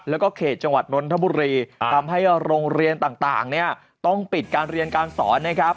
แล้วก็เขตจังหวัดนนทบุรีทำให้โรงเรียนต่างเนี่ยต้องปิดการเรียนการสอนนะครับ